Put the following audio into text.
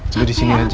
jangan disini aja